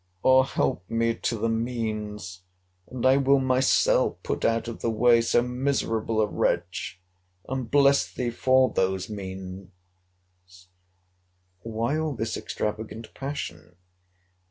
—Or help me to the means, and I will myself put out of the way so miserable a wretch! And bless thee for those means! Why all this extravagant passion?